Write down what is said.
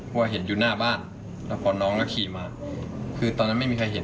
เพราะว่าเห็นอยู่หน้าบ้านแล้วพอน้องก็ขี่มาคือตอนนั้นไม่มีใครเห็น